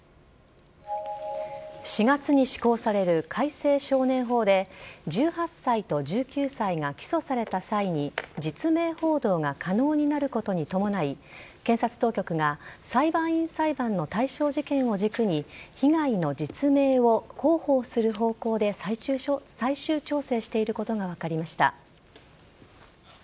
４月に施行される改正少年法で１８歳と１９歳が起訴された際に実名報道が可能になることに伴い検察当局が裁判員裁判の対象事件を軸に被害の実名を広報する方向で最終調整していることが分かりました。